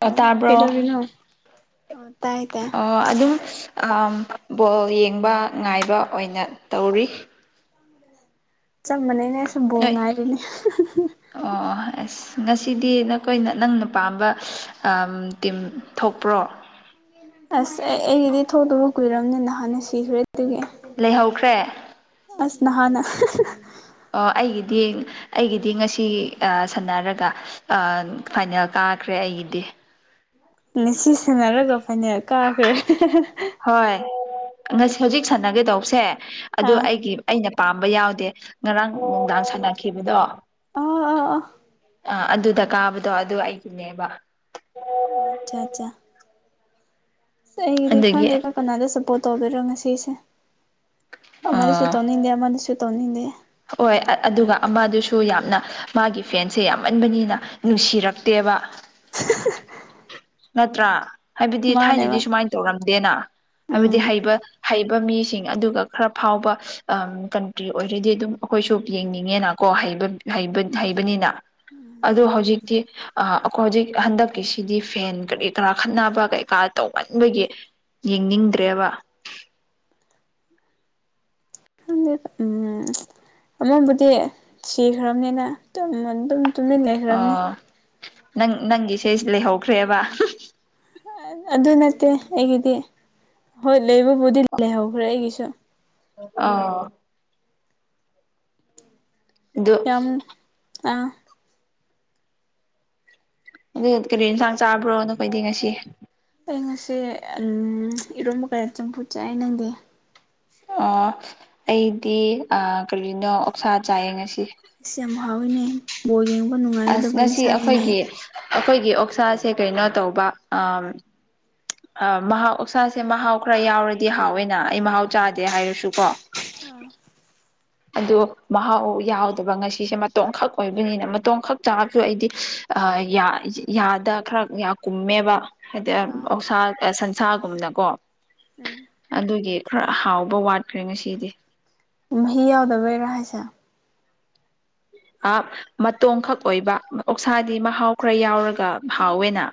ꯑ ꯑꯣ ꯇꯥꯕ꯭ꯔꯣ ꯄꯦꯗꯕꯤꯔꯣ ꯑꯣ ꯇꯥꯏ ꯇꯥꯏ ꯑꯣ ꯑꯗꯨꯝ ꯕꯣꯜ ꯌꯦꯡꯕ ꯉꯥꯏꯕ ꯑꯣꯏꯅ ꯇꯧꯔꯤ ꯆꯞ ꯃꯥꯟꯅꯩꯅꯦ ꯑꯩ ꯁ ꯕꯣ ꯉꯥꯏꯔꯤꯅꯦ ꯑꯣ ꯑꯣ ꯑꯥꯁ ꯑꯁ ꯉꯁꯤꯗꯤ ꯅꯈꯣꯏꯅ ꯅꯪꯅ ꯄꯥꯝꯕ ꯇꯤꯝ ꯊꯣꯛꯄ꯭ꯔꯣ꯫ ꯑꯁ ꯑꯩ ꯑꯩꯒꯤꯗꯤ ꯊꯣꯛꯇꯕ ꯀꯨꯏꯔꯕꯅꯤꯅ ꯅꯍꯥꯟꯅ ꯁꯤꯈ꯭ꯔꯦ ꯑꯗꯨꯒꯤ ꯂꯩꯍꯧꯈ꯭ꯔꯦ ꯑꯁ ꯅꯍꯥꯟꯅ ꯑꯣ ꯑꯩꯒꯤꯗꯤ ꯑꯩꯒꯤꯗꯤ ꯉꯁꯤ ꯁꯥꯟꯅꯔꯒ ꯐꯥꯏꯅꯦꯜ ꯀꯥꯈ꯭ꯔꯦ ꯑꯩꯒꯤꯗꯤ ꯁꯤ ꯁꯥꯟꯟꯅꯔꯒ ꯐꯅꯜ ꯀꯥꯈ꯭ꯔꯦ ꯍꯣꯏ ꯉꯁꯤ ꯍꯧꯖꯤꯛ ꯁꯥꯟꯅꯒꯦ ꯇꯧꯕꯁꯦ ꯑꯗꯣ ꯑꯥ ꯑꯩꯒꯤ꯫ ꯑꯩꯅ ꯄꯥꯝꯕ ꯌꯥꯎꯗꯦ ꯉꯔꯥꯡ ꯅꯨꯡꯗꯥꯡ ꯁꯥꯟꯅꯈꯤꯕꯗꯣ꯫ ꯑꯥ ꯑꯥ ꯑꯥ ꯑ ꯑꯗꯨꯗ ꯀꯥꯕꯗꯣ ꯑꯗꯨ ꯑꯩꯒꯤꯅꯦꯕ ꯑꯣ ꯑꯆꯥ ꯑꯆꯥ ꯑꯁ ꯑꯩꯒꯤꯗꯤ ꯑꯗꯨꯒꯤ ꯈꯪꯗꯔꯣ ꯀꯅꯥꯗ ꯁꯞꯄꯣꯔꯠ ꯇꯧꯕꯤꯔꯣ ꯉꯁꯤꯁꯦ ꯑꯃꯅꯁꯨ ꯑ ꯇꯧꯅꯤꯡꯗꯦ ꯑꯃꯅꯁꯨ ꯇꯧꯅꯤꯡꯗꯦ ꯍꯣꯏ ꯑꯗꯨꯒ ꯑꯃꯗꯨꯁꯨ ꯌꯥꯝꯅ ꯃꯥꯒꯤ ꯐꯦꯟꯁꯦ ꯌꯥꯝꯃꯟꯕꯅꯤꯅ ꯅꯨꯡꯁꯤꯔꯛꯇꯦꯕ ꯅꯠꯇ꯭ꯔꯥ ꯍꯥꯏꯕꯗꯤ ꯃꯥꯅꯦꯕ ꯊꯥꯏꯅꯗꯤ ꯁꯨꯃꯥꯏꯅ ꯇꯧꯔꯝꯗꯦꯅ꯫ ꯍꯥꯏꯕꯗꯤ ꯎꯝ ꯍꯩꯕ ꯍꯩꯕ ꯃꯤꯁꯤꯡ ꯑꯗꯨꯒ ꯈꯔ ꯐꯥꯎꯕ ꯀꯟꯇ꯭ꯔꯤ ꯑꯣꯏꯔꯗꯤ ꯑꯗꯨꯝ ꯑꯩꯈꯣꯏꯁꯨ ꯌꯦꯡꯅꯤꯡꯉꯦꯅꯀꯣ ꯍꯩꯕꯅꯤꯅ ꯑꯗꯣ ꯍꯧꯖꯤꯛꯇꯤ ꯑꯩꯣꯏ ꯍꯧꯖꯤꯛ ꯍꯟꯗꯛꯀꯤꯁꯤꯗꯤ ꯐꯦꯟ ꯀꯔꯤ ꯀꯔꯥ ꯈꯠꯅꯕ ꯀꯩꯀꯥ ꯇꯧꯃꯟꯕꯒꯤ ꯌꯦꯡꯅꯤꯡꯗ꯭ꯔꯦꯕ ꯎꯝ ꯑꯃꯕꯨꯗꯤ ꯁꯤꯈ꯭ꯔꯕꯅꯤꯅ ꯑꯗꯨꯝ ꯑꯗꯨꯝ ꯇꯨꯃꯤꯟ ꯂꯩꯈ꯭ꯔꯕꯅꯤ ꯑꯣ ꯅꯪ ꯅꯪꯒꯤꯁꯦ ꯂꯩꯍꯧꯈ꯭ꯔꯦꯕ ꯑꯗꯨ ꯅꯠꯇꯦ ꯑꯩꯒꯤꯗꯤ ꯍꯣꯏ ꯂꯩꯕꯕꯨꯗꯤ ꯂꯩꯍꯧꯈ꯭ꯔꯦ ꯑꯩꯒꯤꯁꯨ ꯑꯎ ꯑꯗꯨ ꯌꯥꯝ ꯑꯥ ꯑꯗꯨ ꯀꯔꯤ ꯌꯦꯟꯁꯥꯡ ꯆꯥꯕ꯭ꯔꯣꯅꯣꯈꯩꯗꯤ ꯉꯁꯤ ꯑꯩ ꯉꯁꯤ ꯏꯔꯣꯝꯕ ꯀꯌꯥ ꯆꯝꯐꯨꯠ ꯆꯥꯏ ꯅꯪꯗꯤ ꯑꯣ ꯑꯩꯗꯤ ꯀꯔꯤꯅꯣ ꯑꯣꯛꯁꯥ ꯆꯥꯏꯌꯦꯡ ꯉꯁꯤ꯫ ꯑꯩ ꯌꯥꯝ ꯍꯥꯎꯋꯤꯅꯦ ꯕꯣꯔ ꯌꯦꯡꯕ ꯑꯁ ꯅꯨꯡꯉꯥꯏꯒꯗꯕ ꯉꯁꯤ ꯏꯟꯁꯥꯅꯤꯅꯦ꯫ ꯑꯩꯈꯣꯏꯒꯤ ꯑꯩꯈꯣꯏꯒꯤ ꯑꯣꯛꯁꯥꯁꯦ ꯀꯩꯅꯣ ꯇꯧꯕ ꯑ꯫ ꯑ ꯃꯍꯥꯎ ꯑꯣꯛꯁꯥꯁꯦ ꯃꯍꯥꯎ ꯈꯔ ꯌꯥꯎꯔꯗꯤ ꯍꯥꯎꯋꯦꯅ ꯑꯩ ꯃꯍꯥꯎ ꯆꯥꯗꯦ ꯍꯥꯏꯔꯁꯨꯀꯣ ꯑꯥꯝ ꯑꯗꯣ ꯃꯍꯥꯎ ꯌꯥꯎꯗꯕ ꯉꯁꯤꯁꯦ ꯃꯇꯣꯡꯈꯛ ꯑꯣꯏꯕꯅꯤꯅ ꯃꯇꯣꯡꯈꯛ ꯆꯥꯕꯁꯨ ꯑꯩꯗꯤ ꯌꯥꯗ ꯈꯔ ꯌꯥ ꯀꯨꯝꯃꯦꯕ ꯍꯥꯏꯗꯤ ꯎꯝ ꯑꯣꯛꯁꯥ ꯁꯟꯁꯥꯒꯨꯝꯅꯀꯣ ꯎꯝ ꯑꯗꯨꯒꯤ ꯈꯔ ꯍꯥꯎꯕ ꯋꯥꯠꯈ꯭ꯔꯦ ꯉꯁꯤꯗꯤ ꯃꯍꯤ ꯌꯥꯎꯗꯕꯩꯔꯥ ꯍꯥꯏꯁꯦ ꯃꯇꯣꯡꯈꯛ ꯑꯣꯏꯕ ꯑꯣꯛꯁꯥꯗꯤ ꯃꯍꯥꯎ ꯈꯔ ꯌꯥꯎꯔꯒ ꯍꯥꯎꯋꯦꯅ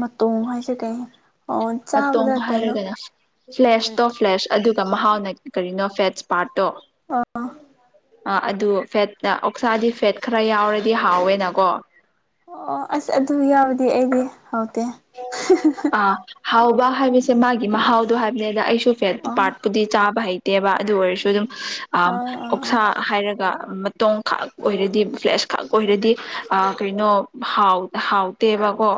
ꯃꯇꯣꯡ ꯍꯥꯏꯁꯦ ꯀꯩ ꯑꯣ ꯃꯇꯣ ꯆꯥꯕꯗ ꯀꯩꯅꯣ ꯍꯥꯏꯔꯒꯅ ꯎꯝ ꯐ꯭ꯂꯦꯁꯇꯣ ꯐ꯭ꯂꯦꯁ ꯑꯗꯨꯒ ꯃꯍꯥꯎꯅ ꯀꯔꯤꯅꯣ ꯐꯦꯠꯁ ꯄꯥꯔꯠꯇꯣ ꯑꯥ ꯑꯥ ꯑꯗꯨ ꯐꯦꯠ ꯑꯣꯛꯁꯥꯗꯤ ꯐꯦꯠ ꯈꯔ ꯌꯥꯎꯔꯗꯤ ꯍꯥꯎꯋꯦꯅꯀꯣ ꯑꯣ ꯑꯁ ꯑꯗꯨ ꯌꯥꯎꯔꯗꯤ ꯑꯩꯗꯤ ꯍꯥꯎꯇꯦ ꯑꯥ ꯍꯥꯎꯕ ꯍꯥꯏꯕꯁꯦ ꯃꯥꯒꯤ ꯃꯍꯥꯎꯗꯣ ꯍꯥꯏꯕꯅꯤꯗ ꯑꯩꯁꯨ ꯐꯦꯠ ꯑꯣ ꯄꯥꯔꯠ ꯗꯤ ꯆꯥꯕ ꯍꯩꯇꯦꯕ ꯑꯗꯨ ꯑꯣꯏꯔꯁꯨ ꯑꯗꯨꯝ ꯑꯣ ꯑꯣ ꯑꯣꯛꯁꯥ ꯍꯥꯏꯔꯒ ꯃꯇꯣꯡ ꯈꯥꯛ ꯑꯣꯏꯔꯗꯤ ꯐ꯭ꯔꯦꯁ ꯈꯥꯛ ꯑꯣꯏꯔꯗꯤ ꯑꯥ ꯀꯩꯅꯣ ꯍꯥꯎ ꯍꯥꯎꯇꯦꯕ ꯒꯣ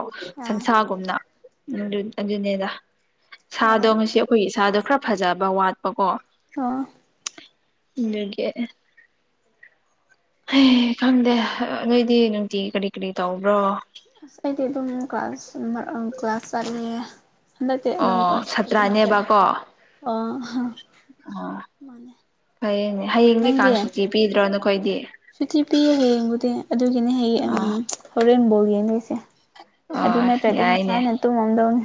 ꯑꯣ ꯑꯥ ꯁꯥꯟꯁꯥꯒꯨꯝꯅ ꯑꯗꯨꯅꯤꯗ ꯑꯣ ꯁꯥꯗꯣ ꯉꯁꯤ ꯑꯩꯈꯣꯏꯒꯤ ꯁꯥꯗꯣ ꯈꯔ ꯐꯖꯕ ꯋꯥꯠꯄꯀꯣ ꯑꯣ ꯑꯗꯨꯒꯤ ꯑꯦ ꯈꯪꯗꯦ ꯅꯣꯏꯗꯤ ꯅꯨꯡꯇꯤ ꯀꯔꯤ ꯀꯔꯤ ꯇꯧꯕ꯭ꯔꯣ ꯑꯁ ꯑꯩꯗꯤ ꯑꯗꯨꯝ ꯀ꯭ꯂꯥꯁ ꯀ꯭ꯂꯥꯁ ꯆꯠꯂꯦ ꯍꯥꯟꯗꯥꯛꯇꯤ ꯑꯗꯨꯝ ꯑꯣ ꯀꯂꯁ ꯐꯖꯅ ꯆꯠꯂꯦ ꯁꯥꯇ꯭ꯔꯥꯅꯦꯕꯀꯣ ꯑꯥ ꯃꯥꯅꯦ ꯐꯩꯅꯦ ꯍꯌꯦꯡꯗꯤ ꯀꯥꯡ ꯁꯨꯛꯇꯤ ꯄꯤꯗ꯭ꯔꯣ ꯅꯈꯣꯏꯗꯤ ꯁꯨꯊꯤ ꯄꯤꯌꯦ ꯍꯌꯦꯡꯕꯨꯗꯤ ꯑꯗꯨꯒꯤꯅꯦ ꯍꯌꯦꯡ ꯑꯣ ꯍꯣꯔꯦꯟ ꯕꯣꯜ ꯌꯦꯡꯗꯣꯢꯁꯦ ꯑꯗꯨ ꯑꯣ ꯅꯠꯇ꯭ꯔꯗꯤ ꯌꯥꯏꯅꯦ ꯉꯁꯥꯏꯅ ꯇꯨꯝꯃꯝꯗꯧꯅꯤ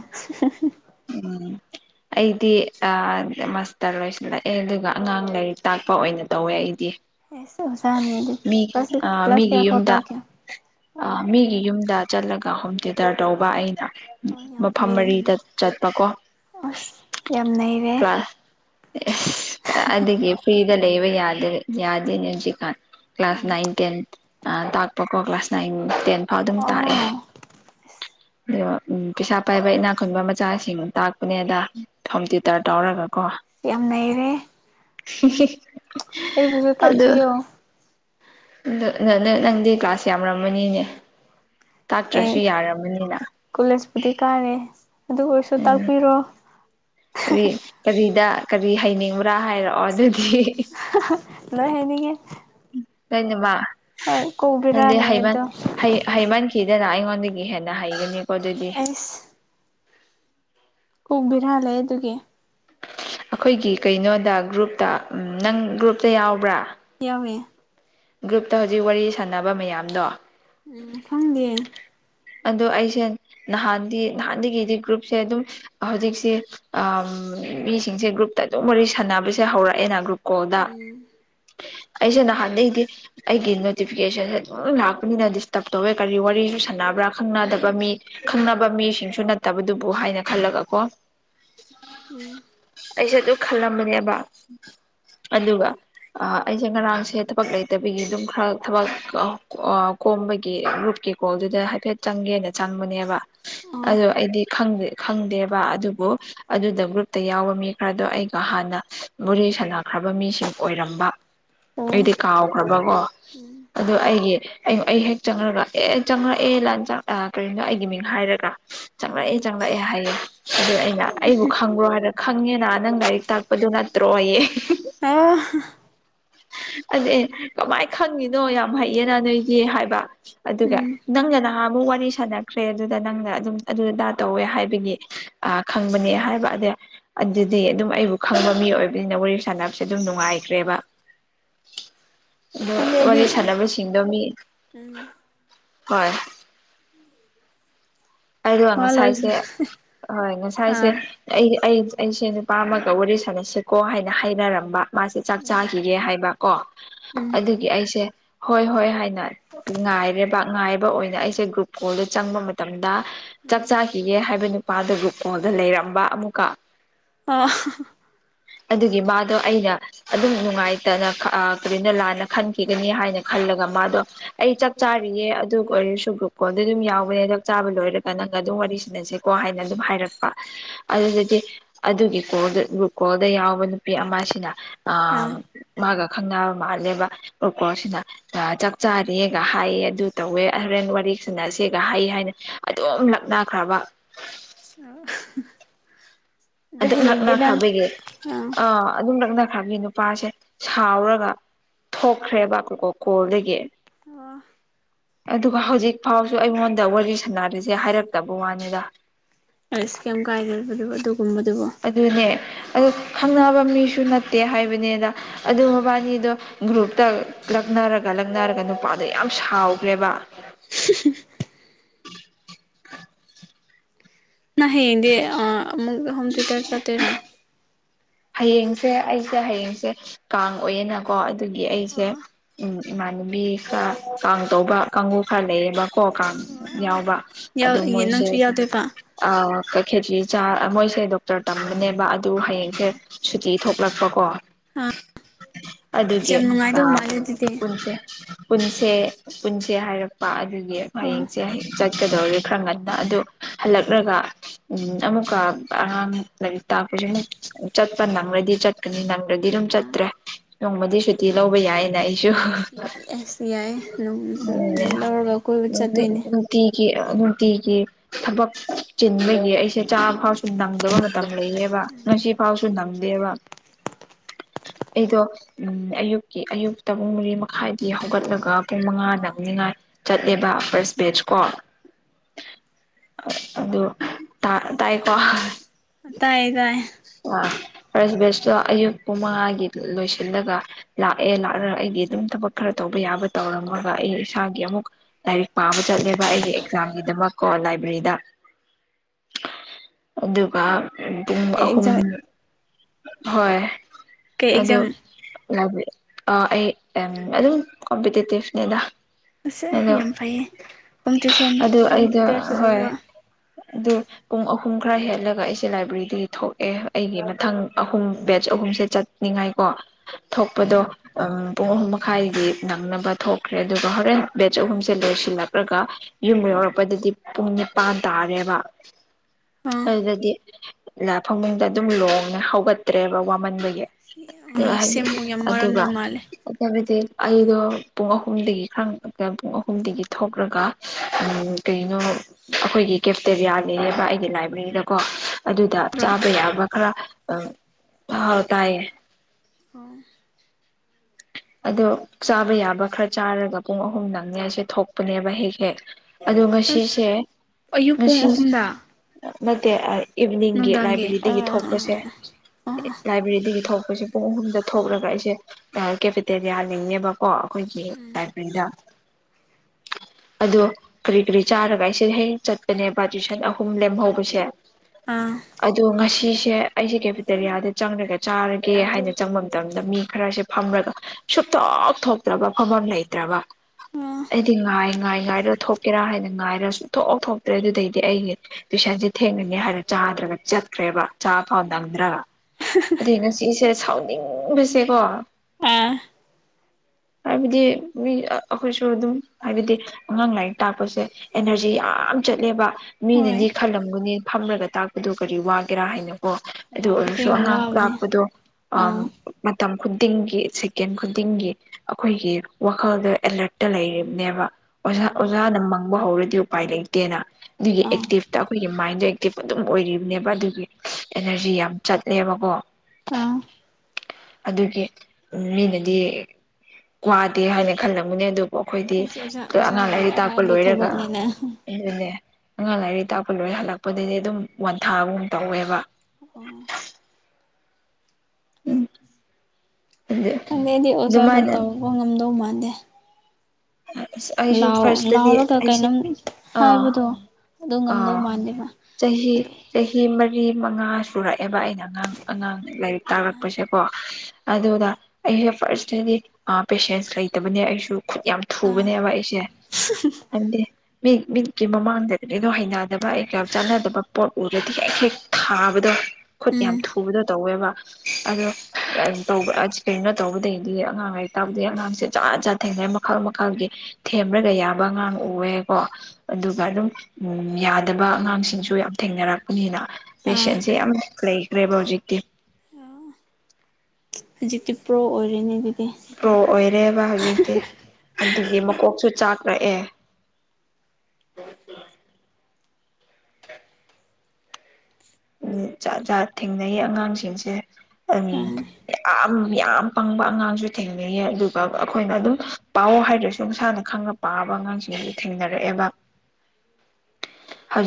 ꯎꯝ ꯑꯩꯗꯤ ꯃꯥꯁꯇꯔ ꯂꯣꯏꯁꯤꯜꯂꯛꯑꯦ ꯑꯗꯨꯒ ꯑꯉꯥꯡ ꯂꯥꯏꯔꯤꯛ ꯇꯥꯛꯄ ꯑꯣꯏꯅ ꯇꯧꯋꯦ ꯑꯩꯗꯤ ꯑꯦꯁ ꯑꯣꯖꯥꯅꯤꯅꯦ ꯑꯗꯨ ꯃꯤ ꯀ꯭ꯂꯁ ꯀ꯭ꯂꯥꯁ ꯃꯤꯒꯤ ꯀꯌꯥꯐꯧ ꯌꯨꯝꯗ ꯇꯥꯛꯀꯦ ꯑꯣ ꯃꯤꯒꯤ ꯌꯨꯝꯗ ꯆꯠꯂꯒ ꯍꯣꯝ ꯊꯤꯇꯔ ꯇꯧꯕ ꯑꯩꯅ ꯑꯣ ꯌꯥꯝ ꯃꯐꯝ ꯐꯩꯌꯦ ꯃꯔꯤꯗ ꯑꯗꯨꯅ ꯆꯠꯄꯀꯣ ꯑꯁ ꯌꯥꯝ ꯅꯩꯔꯦ ꯀ꯭ꯂꯥꯁ ꯀꯔꯥꯢꯗꯒꯤ ꯐ꯭ꯔꯤꯗ ꯂꯩꯕ ꯌꯥꯗꯦ ꯌꯥꯗꯦꯅꯦ ꯍꯧꯖꯤꯀꯥꯟ ꯀ꯭ꯂꯥꯁ ꯎꯝ ꯅꯥꯏꯟ ꯇꯦꯟ ꯇꯥꯛꯄꯀꯣ ꯀ꯭ꯂꯥꯁ ꯅꯥꯏꯟ ꯇꯦꯟ ꯐꯥꯎ ꯑꯗꯨꯝ ꯇꯥꯛꯑꯦ ꯑꯣ [unintelligible] ꯑꯗꯣ ꯄꯩꯁꯥ ꯄꯥꯏꯕ ꯏꯅꯥꯛ ꯈꯨꯨꯟꯕ ꯃꯆꯥꯁꯤꯡ ꯇꯥꯛꯄꯅꯦꯗ ꯐꯣꯝ ꯇ꯭ꯌꯨꯇꯔ ꯇꯧꯔꯒꯀꯣ ꯌꯥꯝ ꯅꯩꯔꯦ [inaudible] ꯑꯩꯕꯨꯁꯨ ꯇꯥꯛꯄꯤꯌꯣ ꯅꯪ ꯅꯪꯗꯤ ꯀ꯭ꯂꯥꯁ ꯌꯥꯝꯔꯝꯃꯅꯤꯅꯦ ꯑꯦ ꯇꯥꯛꯇ꯭ꯔꯁꯨ ꯌꯥꯔꯝꯃꯅꯤꯅ ꯀꯣꯂꯦꯖꯄꯨꯗꯤ ꯀꯥꯔꯦ ꯑꯗꯨ ꯑꯣꯏꯔꯁꯨ ꯎꯝ ꯇꯥꯛꯄꯤꯔꯣ ꯀꯔꯤ ꯀꯔꯤꯗ ꯀꯔꯤ ꯍꯩꯅꯤꯡꯕ꯭ꯔꯥ ꯍꯥꯏꯔꯛꯑꯣ ꯑꯗꯨꯗꯤ ꯂꯣꯏ ꯍꯩꯅꯤꯡꯉꯦ ꯂꯣꯢꯅꯃꯛ ꯍꯣꯏ ꯀꯣꯛ ꯕꯦꯔ ꯂꯩꯌꯦ ꯑꯗꯣ ꯍ ꯍꯩꯃꯟꯈꯤꯗꯅ ꯑꯩꯉꯣꯟꯗꯒꯤ ꯍꯦꯟꯅ ꯍꯩꯒꯅꯤꯀꯣ ꯑꯗꯨꯗꯤ ꯑꯁ ꯀꯣꯛꯕꯤꯔꯥ ꯂꯩ ꯑꯗꯨꯒꯤ ꯑꯩꯈꯣꯏꯒꯤ ꯀꯩꯅꯣꯗ ꯒ꯭ꯔꯨꯞꯇ ꯅꯪ ꯒ꯭ꯔꯨꯞꯇ ꯌꯥꯎꯕ꯭ꯔꯥ ꯌꯥꯎꯋꯦ ꯒ꯭ꯔꯨꯞꯇ ꯍꯧꯖꯤꯛ ꯋꯥꯔꯤ ꯁꯥꯟꯅꯕ ꯃꯌꯥꯝꯗꯣ ꯎꯝ ꯈꯪꯗꯦ ꯑꯗꯣ ꯑꯩꯁꯦ ꯅꯍꯥꯟꯗꯤ ꯅꯍꯥꯟꯗꯒꯤꯗꯤ ꯒ꯭ꯔꯨꯞꯁꯦ ꯑꯗꯨꯝ ꯍꯧꯖꯤꯛꯁꯤ ꯑꯝ ꯃꯤꯁꯤꯡꯁꯦ ꯒ꯭ꯔꯨꯞꯇ ꯑꯗꯨꯝ ꯋꯥꯔꯤꯔꯤ ꯁꯥꯟꯅꯕꯁꯦ ꯍꯧꯔꯛꯑꯦꯅ ꯒ꯭ꯔꯨꯞ ꯀꯣꯗ ꯎꯝ ꯑꯩꯁꯨ ꯅꯍꯥꯟꯗꯩꯗꯤ ꯑꯩꯒꯤ ꯅꯣꯇꯤꯐꯤꯀꯦꯁꯟꯁꯦ ꯗꯨꯝ ꯂꯥꯛꯄꯅꯤꯅ ꯗꯤꯁꯇꯔꯕ ꯇꯧꯋꯦ ꯀꯔꯤ ꯋꯥꯔꯤꯁꯨ ꯁꯥꯟꯅꯕ꯭ꯔꯥ ꯈꯪꯅꯗꯕ ꯃꯤ ꯈꯪꯅꯕ ꯃꯤꯁꯤꯡꯁꯨ ꯅꯠꯇꯕꯗꯨꯕꯨ ꯍꯥꯏꯅ ꯈꯜꯂꯒ ꯀꯣ ꯍꯝ ꯑꯩꯁꯨ ꯑꯗꯨ ꯈꯜꯂꯝꯕꯅꯦꯕ ꯑꯗꯨꯒ ꯑꯩꯁꯦ ꯉꯔꯥꯡꯁꯦ ꯊꯕꯛ ꯂꯩꯇꯕꯤꯒꯤ ꯑꯗꯨꯝ ꯈꯔ ꯊꯕꯛ ꯀꯣꯝꯕꯒꯤ ꯒ꯭ꯔꯨꯞꯀꯤ ꯀꯣꯜꯗꯨꯗ ꯍꯥꯏꯐꯦꯠ ꯆꯪꯒꯦꯅ ꯆꯪꯕꯅꯦꯕ ꯑꯣ ꯑꯗꯣ ꯑꯩꯗꯤ ꯈꯪꯗꯦꯕ ꯑꯗꯨꯕꯨ ꯑꯗꯨꯗ ꯒ꯭ꯔꯨꯞꯇ ꯌꯥꯎꯕ ꯃꯤ ꯈꯔꯗꯣ ꯑꯩꯒ ꯍꯥꯟꯅ ꯋꯔꯤ ꯁꯥꯟꯅꯈ꯭ꯔꯕ ꯃꯤꯁꯤꯡ ꯑꯣꯏꯔꯝꯕ ꯑꯣ ꯑꯩꯗꯤ ꯀꯥꯎꯈ꯭ꯔꯕꯀꯣ ꯎꯝ ꯑꯗꯨ ꯑꯩꯒꯤ ꯑꯩ ꯑꯩ ꯍꯦꯛ ꯆꯪꯉꯒ ꯑꯦ ꯆꯪꯉꯛꯑꯦꯟ ꯆꯥꯛ ꯑꯥ ꯀꯔꯤꯅꯣ ꯑꯩꯒꯤ ꯃꯤꯡ ꯍꯥꯏꯔꯒ ꯎꯝ ꯆꯪꯂꯛꯑꯦ ꯆꯪꯂꯛꯑꯦ ꯍꯥꯏꯌꯦ ꯑꯗꯨ ꯑꯩꯅ ꯑꯩꯕꯨ ꯈꯪꯕ꯭ꯔꯣ ꯍꯥꯏꯔ ꯈꯪꯉꯦꯅ ꯅꯪ ꯂꯥꯏꯔꯤꯛ ꯇꯥꯛꯄꯗꯨ ꯅꯠꯇ꯭ꯔꯣ ꯌꯦ ꯑꯥ ꯑꯗꯨ ꯑꯩ ꯀꯃꯥꯏꯅ ꯈꯪꯉꯤꯅꯣ ꯌꯥꯝ ꯍꯩꯌꯦꯅ ꯅꯣꯏꯗꯤ ꯍꯥꯏꯕ ꯑꯗꯨꯒ ꯎꯝ ꯅꯪꯅ ꯅꯍꯥꯝ ꯑꯃꯨꯛ ꯋꯥꯔꯤ ꯁꯥꯟꯅꯈ꯭ꯔꯦ ꯑꯗꯨꯗ ꯅꯪꯅ ꯑꯗꯨꯝ ꯑꯗꯨ ꯑꯗꯥ ꯇꯧꯋꯦ ꯍꯥꯏꯕꯒꯤ ꯑ ꯈꯪꯕꯅꯦ ꯍꯥꯏꯕ ꯑꯗꯥ ꯑꯗꯨꯗꯤ ꯑꯗꯨꯝ ꯑꯩꯕꯨ ꯈꯪꯕ ꯃꯤ ꯑꯣꯏꯕꯅꯤꯅ ꯋꯥꯔꯤ ꯁꯥꯟꯅꯕꯁꯦ ꯑꯗꯨꯝ ꯅꯨꯡꯉꯥꯏꯈ꯭ꯔꯦꯕ ꯑꯗꯣ ꯈꯪꯗꯦ ꯑꯩꯗꯤ ꯋꯥꯔꯤ ꯁꯥꯟꯅꯕꯁꯤꯡꯗꯣ ꯃꯤ ꯎꯝ ꯍꯣꯏ ꯑꯩꯗꯣ ꯋꯥ ꯉꯁꯥꯏꯁꯦ ꯂꯣꯏꯈ꯭ꯔꯦ ꯍꯣꯏ ꯉꯁꯥꯏꯁꯦ ꯑꯥ ꯑꯩ ꯑꯩ ꯑꯩꯁꯦ ꯅꯨꯄꯥ ꯑꯃꯒ ꯋꯥꯔꯤ ꯁꯥꯟꯅꯁꯤꯀꯣ ꯍꯥꯏꯅ ꯍꯥꯏꯅꯔꯝꯕ ꯃꯥꯁꯦ ꯆꯥꯛ ꯆꯥꯈꯤꯒꯦ ꯍꯥꯏꯕ ꯀꯣ ꯎꯝ ꯑꯗꯨꯒꯤ ꯑꯩꯁꯦ ꯍꯣꯏ ꯍꯣꯏ ꯍꯥꯏꯅ ꯉꯥꯏꯔꯦꯕ ꯉꯥꯏꯕ ꯑꯣꯏꯅ ꯑꯩꯁꯦ ꯒ꯭ꯔꯨꯞ ꯀꯣꯜꯗ ꯆꯪꯕ ꯃꯇꯝꯗ ꯆꯥꯛ ꯆꯥꯈꯤꯒꯦ ꯍꯥꯏꯕ ꯅꯨꯄꯥꯗꯨ ꯒ꯭ꯔꯨꯞ ꯀꯣꯜꯗ ꯂꯩꯔꯝꯕ ꯑꯃꯨꯛꯀ ꯑꯥ ꯑꯗꯨꯒꯤ ꯃꯥꯗꯣ ꯑꯩꯅ ꯑꯗꯨꯝ ꯅꯨꯡꯉꯥꯏꯇꯅ ꯑ ꯀꯔꯤꯅ ꯂꯥꯟꯅ ꯈꯟꯈꯤꯒꯅꯤ ꯍꯥꯏꯅ ꯈꯜꯂꯒ ꯃꯥꯗꯣ ꯑꯩ ꯆꯥꯛ ꯆꯥꯔꯤꯌꯦ ꯑꯗꯨ ꯑꯣꯏꯔꯁꯨ ꯒ꯭ꯔꯨꯞ ꯀꯣꯜꯗꯤ ꯑꯗꯨꯝ ꯌꯥꯎꯋꯦ ꯆꯥꯛ ꯆꯥꯕ ꯂꯣꯏꯔ ꯅꯪꯒ ꯑꯗꯨꯝ ꯋꯥꯔꯤ ꯁꯤꯟꯅꯁꯦꯀꯣ ꯍꯥꯏꯅ ꯑꯗꯨꯝ ꯍꯥꯏꯔꯛꯄ ꯑꯗꯨꯗꯗꯤ ꯑꯗꯨꯒꯤ ꯀꯣꯜꯗ ꯒ꯭ꯔꯨꯞꯀꯣꯜꯗ ꯌꯥꯎꯕ ꯅꯨꯄꯤ ꯑꯃꯁꯤꯅ ꯑꯥ ꯃꯥꯒ ꯈꯪꯅꯕ ꯃꯥꯜꯂꯦꯕ ꯒ꯭ꯔꯨꯞꯀꯣꯜꯁꯤꯗ ꯆꯥꯛ ꯆꯥꯔꯦꯒ ꯍꯥꯏꯌꯦ ꯑꯗꯨ ꯇꯧꯋꯦ ꯍꯣꯔꯦꯟ ꯋꯥꯔꯤꯁꯤꯅꯁꯦꯒ ꯍꯥꯏ ꯍꯥꯏꯅ ꯑꯗꯨꯝ ꯅꯛꯅꯈ꯭ꯔꯕ ꯑꯥ [unintelligible] ꯑꯗꯨꯝ ꯅꯛꯅꯈꯥꯕꯤꯒꯤ ꯑꯥ ꯑ ꯑꯗꯨꯝ ꯅꯛꯅꯈꯥꯕꯤꯒꯤ ꯅꯨ ꯅꯨꯄꯥꯁꯦ ꯁꯥꯎꯔꯒ ꯊꯣꯛꯈ꯭ꯔꯦꯕ ꯒ꯭ꯔꯨꯞꯀꯣꯜꯗꯒꯤ ꯑꯣ ꯑꯗꯨꯒ ꯍꯧꯖꯤꯛ ꯐꯥꯎꯁꯨ ꯑꯩꯉꯣꯟꯗ ꯋꯥꯔꯤ ꯁꯥꯟꯅꯔꯤꯁꯦ ꯍꯥꯏꯔꯛꯇꯕ ꯋꯥꯅꯤꯗ ꯑꯁ ꯀꯩꯝ ꯀꯥꯏꯗꯦꯕ ꯑꯗꯨꯒꯨꯝꯕꯗꯨꯕꯨ ꯑꯗꯨꯅꯦ ꯑꯗꯨ ꯈꯪꯅꯕ ꯃꯤꯁꯨ ꯅꯠꯇꯦ ꯍꯥꯏꯕꯅꯤꯗ ꯑꯗꯨ ꯃꯕꯥꯅꯤꯗꯣ ꯒ꯭ꯔꯨꯞꯇ ꯂꯛꯅꯔꯒ ꯂꯛꯅꯔꯒ ꯅꯨꯄꯥꯗꯣ ꯌꯥꯝ ꯁꯥꯎꯈ꯭ꯔꯦꯕ [inaudible] ꯅꯪ ꯍꯌꯦꯡꯗꯤ ꯑ ꯑꯃꯨꯛ ꯍꯣꯝ ꯇꯤꯎꯇꯔ ꯆꯠꯇꯣꯏꯔꯥ ꯍꯌꯦꯡꯁꯦ ꯑꯩꯁꯦ ꯍꯌꯦꯡꯁꯦ ꯀꯥꯡ ꯑꯣꯏꯌꯦꯅꯀꯣ ꯑꯗꯨꯒꯤ ꯑꯩꯁꯦ ꯑꯣ ꯎꯝ ꯏꯃꯥꯟꯅꯕꯤ ꯈꯔ ꯀꯥꯡ ꯇꯧꯕ ꯀꯥꯡꯕꯨ ꯈꯔ ꯂꯩꯌꯦꯕꯀꯣ ꯀꯥꯡ ꯌꯥꯎꯕ ꯌꯥꯎ ꯑꯗꯨ ꯃꯣꯏꯁꯦ ꯅꯪꯁꯨ ꯌꯥꯎꯗꯣꯏꯕ ꯑꯥ ꯈꯦꯆ꯭ꯔꯤ ꯆꯥ ꯃꯣꯏꯁꯦ ꯗꯣꯛꯇꯔ ꯇꯝꯕꯅꯦꯕ ꯑꯗꯨ ꯍꯌꯦꯡꯁꯦ ꯁꯨꯇꯤ ꯊꯣꯛꯂꯛꯄꯀꯣ ꯑꯥ ꯑꯗꯨꯒꯤ ꯌꯥꯝ ꯅꯨꯡꯉꯥꯏꯗꯧ ꯑꯥ ꯃꯥꯜꯂꯦ ꯑꯗꯨꯗꯤ ꯄꯨꯟꯁꯦ ꯄꯨꯟꯁꯦ ꯄꯨꯟꯁꯦ ꯍꯥꯏꯔꯛꯄ ꯑꯗꯨꯒꯤ ꯑꯣ ꯍꯌꯦꯡꯁꯦ ꯆꯠꯀꯗꯧꯔꯦ ꯈꯔ ꯉꯟꯅ ꯑꯗꯨ ꯍꯜꯂꯛꯂꯒ ꯎꯝ ꯑꯃꯨꯛꯀꯥ ꯑꯉꯥꯡ ꯂꯥꯏꯔꯤꯛ ꯇꯥꯛꯄ ꯁꯤꯃꯨꯛ ꯆꯠꯄ ꯅꯪꯔꯗꯤ ꯆꯠꯀꯅꯤ ꯅꯪꯗꯔꯗꯤ ꯑꯗꯨꯝ ꯆꯠꯇ꯭ꯔꯦ ꯅꯣꯡꯃꯗꯤ ꯁꯨꯇꯤ ꯂꯧꯕ ꯌꯥꯏꯌꯦꯅ ꯑꯩꯁꯨ ꯑꯁ ꯌꯥꯏ ꯅꯣꯡꯁꯨ ꯂꯧꯔꯒ ꯀꯣꯏꯕ ꯆꯠꯇꯣꯏꯅꯦ ꯇꯤꯒꯤ ꯑꯃꯨꯛ ꯇꯤꯒꯤ ꯊꯕꯛ ꯆꯤꯟꯕꯒꯤ ꯑꯩꯁꯦ ꯆꯥ ꯐꯥꯎꯁꯨ ꯅꯪꯗꯕ ꯃꯇꯝ ꯂꯩꯌꯦꯕ ꯉꯁꯤ ꯐꯥꯎꯁꯨ ꯅꯪꯗꯦꯕ ꯑꯩꯗꯣ ꯎꯝ ꯑꯌꯨꯛꯀꯤ ꯑꯌꯨꯛꯇ ꯄꯨꯡ ꯃꯔꯤ ꯃꯈꯥꯏꯗꯤ ꯍꯧꯒꯠꯂꯒ ꯄꯨꯡ ꯃꯉꯥ ꯑ ꯅꯪꯅꯤꯡꯉꯥꯏ ꯆꯠꯂꯦꯕ ꯐꯥꯔ꯭ꯁ ꯕꯦꯠꯆ ꯀꯣ ꯑꯗꯨ ꯇꯥ ꯇꯥꯏ ꯀꯣ ꯇꯥꯏ ꯇꯥꯏ ꯑꯥ ꯐꯥꯔ꯭ꯁ ꯕꯦꯁꯇꯣ ꯑꯌꯨꯛ ꯄꯨꯡ ꯃꯉꯥꯒꯤ ꯂꯣꯏꯁꯤꯜꯂꯒ ꯂꯥꯛꯑꯦ ꯂꯥꯛꯔꯒ ꯑꯩꯒꯤ ꯑꯗꯨꯝ ꯊꯕꯛ ꯈꯔ ꯇꯧꯕ ꯌꯥꯕ ꯇꯧꯔꯝꯃꯒ ꯑꯩ ꯏꯁꯥꯒꯤ ꯑꯃꯨꯛ ꯂꯥꯏꯔꯤꯛ ꯄꯥꯕ ꯆꯠꯂꯦꯕ ꯑꯩꯒꯤ ꯑꯦꯛꯖꯥꯝꯒꯤꯗꯃꯛ ꯀꯣ ꯂꯥꯏꯕ꯭ꯔꯦꯔꯤꯗ ꯑꯗꯨꯒ ꯎꯝ ꯄꯨꯡ ꯨꯀꯨꯝ ꯑꯦꯛꯖꯥꯝ ꯍꯣꯏ ꯀꯩ ꯑꯗꯨ ꯑꯦꯛꯖꯥꯝ ꯑꯥ ꯑꯩ ꯑꯦꯝ ꯑꯗꯨꯝ ꯀꯝꯄꯤꯇꯤꯇꯤꯐ ꯅꯦꯗ ꯑꯁꯦ ꯌꯥꯝ ꯐꯩꯌꯦ ꯍꯣꯝ ꯇꯤꯎꯁꯟ ꯑꯗꯨ ꯍꯣꯝ ꯑꯩꯗꯣ ꯇꯤꯎꯇꯔꯁꯨ ꯍꯣꯏ ꯑꯣꯏꯕ ꯑꯗꯨ ꯄꯨꯡ ꯑꯍꯨꯝ ꯈꯔ ꯍꯦꯜꯂꯒ ꯑꯩꯁꯦ ꯂꯥꯏꯕ꯭ꯔꯦꯔꯤꯗꯒꯤ ꯊꯣꯛ ꯑꯦ ꯑꯩꯒꯤ ꯃꯊꯪ ꯑꯍꯨꯝ ꯕꯦꯠꯆ ꯑꯍꯨꯝꯁꯦ ꯆꯠꯅꯤꯡꯉꯥꯏ ꯀꯣ ꯊꯣꯛꯄꯗꯣ ꯎꯝ ꯑꯝ ꯄꯨꯡ ꯑꯍꯨꯝ ꯃꯈꯥꯏꯗꯒꯤ ꯅꯪꯅꯕ ꯊꯣꯛꯈ꯭ꯔꯦ ꯑꯗꯨꯒ ꯍꯣꯔꯦꯟ ꯕꯦꯠꯆ ꯑꯥ ꯑꯍꯨꯝꯁꯦ ꯂꯣꯏꯁꯤꯜꯂꯛ ꯔꯒ ꯌꯨꯝ ꯌꯧꯔꯛꯄꯗꯗꯤ ꯄꯨꯡ ꯅꯤꯄꯥꯟ ꯇꯥꯔꯦꯕ ꯑꯥ ꯑꯗꯨꯗꯗꯤ ꯂꯥꯏ ꯐꯃꯨꯡꯗ ꯑꯗꯨꯝ ꯂꯣꯡꯅ ꯍꯧꯒꯠꯇ꯭ꯔꯦꯕ ꯋꯥꯃꯟꯕꯒꯤ ꯍꯣꯏ ꯁꯦꯝꯃꯨꯛ ꯌꯥꯝ ꯑꯗꯨꯒ ꯋꯥꯔꯝꯗꯧ ꯃꯥꯜꯂꯦ ꯍꯥꯏꯕꯗꯤ ꯑꯩꯗꯣ ꯄꯨꯡ ꯑꯍꯨꯝꯗꯒꯤ ꯈꯔ ꯄꯨꯡ ꯑꯍꯨꯝꯗꯒꯤ ꯊꯣꯛꯂꯒ ꯎꯝ ꯀꯩꯅꯣ ꯑꯩꯈꯣꯏꯒꯤ ꯀꯦꯞꯇꯦꯔꯤꯌꯥ ꯂꯩꯅꯦꯕ ꯑꯩꯒꯤ ꯂꯥꯏꯕ꯭ꯔꯦꯔꯤꯗꯀꯣ ꯑꯗꯨꯗ ꯄꯨꯔꯥ ꯆꯥꯕ ꯌꯥꯕ ꯈꯔ ꯑꯥ ꯍꯥꯎ ꯇꯥꯏꯌꯦ ꯑꯣ ꯑꯗꯣ ꯆꯥꯕ ꯌꯥꯕ ꯈꯔ ꯆꯥꯔꯒ ꯄꯨꯡ ꯑꯍꯨꯝ ꯅꯪꯅꯦꯉꯥꯏꯁꯦ ꯊꯣꯛꯄꯅꯦꯕ ꯍꯦꯛ ꯍꯦꯛ ꯑꯗꯨ ꯑꯁ ꯉꯁꯤꯁꯦ ꯑꯌꯨꯛ ꯄꯨꯡ ꯉꯁꯤ ꯑꯍꯨꯝꯗ ꯅꯠꯇꯦ ꯑꯩ ꯏꯚꯤꯅꯤꯡꯒꯤ ꯅꯨꯡꯗꯥꯡꯒꯤ ꯑꯣ ꯂꯥꯏꯕ꯭ꯔꯦꯔꯤꯗꯒꯤ ꯑꯣ ꯑꯣ ꯊꯣꯛꯄꯁꯦ ꯑꯣ ꯑꯣ ꯑꯣ ꯂꯥꯏꯕ꯭ꯔꯦꯔꯤꯗꯒꯤ ꯊꯣꯛꯄꯁꯦ ꯄꯨꯡ ꯑꯍꯨꯝꯗ ꯊꯣꯛꯂꯒ ꯑꯩꯁꯦ ꯀꯦꯐꯦꯇꯦꯔꯤꯌꯥ ꯅꯤꯡꯅꯦꯕꯀꯣ ꯑꯩꯈꯣꯏꯒꯤ ꯕꯔꯤꯗ ꯑꯗꯣ ꯀꯔꯤ ꯀꯔꯤ ꯆꯥꯔꯒ ꯑꯩꯁꯦ ꯍꯦꯛ ꯆꯠꯄꯅꯦꯕ ꯇꯨꯏꯁꯟ ꯑꯍꯨꯝ ꯂꯦꯝꯍꯧꯕꯁꯦ ꯎꯝ ꯑꯗꯣ ꯉꯁꯤꯁꯦ ꯑꯩꯁꯦ ꯀꯦꯐꯦꯇꯦꯔꯤꯌꯥꯗ ꯆꯪꯔꯒ ꯆꯥꯔꯒꯦ ꯍꯥꯏꯅ ꯆꯪꯕ ꯃꯇꯝꯗ ꯃꯤ ꯈꯔꯁꯦ ꯐꯝꯔꯒ ꯁꯨꯛꯊꯣꯛ ꯊꯣꯛꯇ꯭ꯔꯕ ꯐꯝꯕꯝ ꯂꯩꯇ꯭ꯔꯕ ꯑꯣ ꯑꯩꯗꯤ ꯉꯥꯏ ꯉꯥꯏ ꯉꯥꯏꯔ ꯊꯣꯛꯀꯦꯔꯥ ꯍꯥꯏꯅ ꯉꯥꯏꯔ ꯁꯨꯊꯣꯛ ꯊꯣꯛꯇ꯭ꯔꯦ ꯑꯗꯨꯗꯩꯗꯤ ꯑꯩꯅꯦ ꯇꯨꯏꯁꯟꯁꯦ ꯊꯦꯡꯉꯅꯤ ꯍꯥꯏꯔ ꯆꯥꯗ꯭ꯔꯒ ꯆꯠꯈ꯭ꯔꯦꯕ ꯆꯥꯕ ꯐꯥꯎ ꯅꯪꯗ꯭ꯔꯒ ꯑꯗꯩ ꯉꯁꯤꯁꯦ ꯁꯥꯎꯅꯤꯡꯕꯁꯦꯀꯣ ꯑꯥ ꯍꯥꯏꯕꯗꯤ ꯃꯤ ꯑ ꯑꯩꯈꯣꯏꯁꯨ ꯑꯗꯨꯝ ꯍꯥꯏꯕꯗꯤ ꯑꯉꯥꯡ ꯂꯥꯏꯔꯤꯛ ꯇꯥꯛꯄꯁꯦ ꯑꯦꯅꯔꯖꯤ ꯌꯥꯝ ꯆꯠꯂꯦꯕ ꯍꯣꯏ ꯃꯤꯅꯗꯤ ꯈꯜꯂꯝꯒꯅꯤ ꯐꯝꯔꯒ ꯇꯥꯛꯄꯗꯣ ꯀꯔꯤ ꯋꯥꯒꯦꯔꯥ ꯍꯥꯏꯅ ꯑꯣ ꯑꯗꯨ ꯂꯥꯎꯕꯁꯦ ꯑꯣꯏꯔꯁꯨ ꯌꯥꯝ ꯑꯉꯥꯡ ꯋꯥꯕꯅꯦ ꯇꯥꯛꯄꯗꯣ ꯑ ꯑꯥ ꯃꯇꯝ ꯈꯨꯗꯤꯡꯒꯤ ꯀꯦꯟ ꯈꯨꯗꯤꯡꯒꯤ ꯑꯩꯈꯣꯏꯒꯤ ꯋꯥꯈꯜꯗꯣ ꯑꯦꯂꯔꯠꯇ ꯂꯩꯔꯤꯕꯅꯦꯕ ꯑꯣꯖ ꯑꯣ ꯑꯣꯖꯥꯅ ꯃꯪꯕ ꯍꯧꯔꯗꯤ ꯎꯄꯥꯏ ꯂꯩꯇꯦꯅ ꯑꯗꯨꯒꯤ ꯑꯥ ꯑꯦꯛꯇꯤꯞꯇ ꯑꯩꯈꯣꯏꯒꯤ ꯃꯥꯏꯟꯗꯣ ꯑꯦꯛꯇꯤꯞ ꯑꯗꯨꯝ ꯑꯣꯏꯔꯤꯕꯅꯦꯕ ꯑꯗꯨꯒꯤ ꯑꯦꯅꯔꯖꯤ ꯌꯥꯝ ꯆꯠꯂꯦꯕꯀꯣ ꯑꯥ ꯑꯗꯨꯒꯤ ꯃꯤꯅꯗꯤ ꯀ꯭ꯋꯥꯗꯦ ꯍꯥꯏꯅ ꯈꯜꯂꯝꯒꯅꯦ ꯑꯗꯨ ꯑꯣ ꯑꯩꯈꯣꯏꯗꯤ ꯑꯩꯁꯨ ꯑꯣꯖꯥ ꯀ ꯑꯉꯥꯡ ꯑꯣꯖꯥꯕꯨ ꯂꯥꯏꯔꯤꯛ ꯇꯥꯛꯄ ꯑꯔꯥꯏꯕ ꯂꯣꯏꯔꯒ ꯊꯕꯛꯅꯤꯅ ꯑꯗꯨꯅꯦ ꯑꯉꯥꯡ ꯂꯥꯏꯔꯤꯛ ꯇꯥꯛꯄ ꯂꯣꯏ ꯍꯜꯂꯛꯄꯗꯗꯤ ꯑꯗꯨꯝ ꯋꯥꯟꯊꯥꯒꯨꯝ ꯇꯧꯋꯦꯕ ꯑꯣ ꯎꯝ ꯈꯪꯗꯦ ꯑꯩꯗꯤ ꯑꯣꯖꯥꯒ ꯑꯗꯨꯃꯥꯏꯅ ꯇꯥꯎꯧꯕ ꯉꯝꯗꯧ ꯃꯥꯟꯗꯦ ꯑꯩꯁꯨ ꯂꯥꯎ ꯐꯥꯔꯁꯇꯗꯤ ꯂꯥꯎꯔꯒ ꯑꯩꯁꯦ ꯀꯩꯅꯣꯝ ꯑꯥ ꯍꯥꯏꯕꯗꯣ ꯑꯗꯨ ꯉꯝꯗꯧ ꯑꯥ ꯃꯥꯟꯗꯦꯕ ꯆꯍꯤ ꯑꯗꯨ ꯆꯍꯤ ꯃꯔꯤ ꯃꯉꯥ ꯁꯨꯔꯛꯑꯦꯕ ꯑꯩꯅ ꯑꯉꯥꯡ ꯑꯉꯥꯡ ꯂꯥꯏꯔꯤꯛ ꯇꯥꯛꯂꯛꯄꯁꯦꯀꯣ ꯑꯗꯨꯒ ꯑꯩꯁꯦ ꯐꯥꯔꯁꯇꯗꯤ ꯄꯦꯁꯦꯁ ꯂꯩꯇꯕꯅꯦ ꯑꯩꯁꯨ ꯈꯨꯠ ꯌꯥꯝ ꯑꯥ ꯊꯨꯕꯅꯦꯕ ꯑꯩꯁꯦ ꯍꯥꯏꯗꯤ ꯃꯤ ꯃꯤꯠꯀꯤ ꯃꯃꯥꯡꯗ ꯑꯗꯨꯗꯩ ꯑꯗꯣ ꯍꯩꯅꯗꯕ ꯑꯩꯒ ꯆꯥꯟꯅꯗꯕ ꯄꯣꯠ ꯎꯔꯗꯤ ꯍꯦꯛ ꯍꯦꯛ ꯊꯥꯕꯗꯣ ꯈꯨꯠ ꯌꯥꯝ ꯎꯝ ꯊꯨꯕꯗ ꯇꯧꯋꯦꯕ ꯑꯗꯣ ꯇꯧꯕ ꯀꯩꯅꯣ ꯇꯧꯕꯗꯩꯗꯤ ꯑꯉꯥꯡ ꯍꯥꯏ ꯇꯥꯎꯗꯦ ꯑꯉꯥꯡꯁꯦ ꯖꯥꯠ ꯖꯥꯠ ꯊꯦꯡꯅ ꯃꯈꯜ ꯃꯈꯜꯒꯤ ꯊꯦꯝꯂꯒ ꯌꯥꯕ ꯑꯉꯥꯡ ꯎꯑꯦꯀꯣ ꯑꯗꯨꯒ ꯑꯗꯨꯝ ꯎꯝ ꯌꯥꯗꯕ ꯑꯉꯥꯡꯁꯤꯡꯁꯨ ꯌꯥꯝ ꯊꯦꯡꯅꯔꯛꯄꯅꯦꯕ ꯑꯥ ꯄꯦꯁꯦꯟꯁꯦ ꯌꯥꯝ ꯂꯩꯈ꯭ꯔꯦꯕ ꯍꯧꯖꯤꯛꯇꯤ ꯍꯧꯖꯤꯛꯇꯤ ꯄ꯭ꯔꯣ ꯑꯣꯏꯔꯦꯅꯦ ꯄ꯭ꯔꯣ ꯑꯣꯏꯔꯦꯕ ꯍꯧꯖꯤꯛꯇꯤ ꯑꯗꯨꯗꯤ ꯃꯀꯣꯛꯁꯨ ꯆꯥꯛ꯭ꯔꯛꯑꯦ ꯖꯥꯠ ꯖꯥꯠ ꯊꯦꯡꯅꯩꯌꯦ ꯑꯉꯥꯡꯁꯤꯡꯁꯦ ꯑꯥ [unintelligible] ꯌꯥꯝ ꯌꯥꯝ ꯄꯪꯕ ꯑꯉꯥꯡꯁꯨ ꯊꯦꯡꯅꯩꯌꯦ ꯑꯗꯨꯒ ꯑꯩꯈꯣꯏꯅ ꯑꯗꯨꯝ ꯄꯥꯎ ꯍꯥꯏꯗ꯭ꯔꯁꯨ ꯃꯁꯥꯅ ꯈꯪꯉ ꯄꯥꯕ ꯑꯉꯥꯡꯁꯤꯡꯁꯨ ꯊꯦꯡꯅꯔꯛꯑꯦꯕ ꯍꯧꯖꯤꯛ